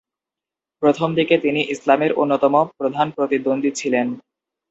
প্রথমদিকে তিনি ইসলামের অন্যতম প্রধান প্রতিদ্বন্দ্বী ছিলেন।